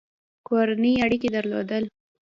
کورني اړیکي درلودل.